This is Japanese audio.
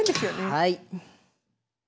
はい。